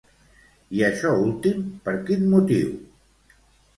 I això últim, per quin motiu?